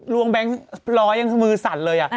ล้องแบ๊งค์ล้อยมือสั่นเลย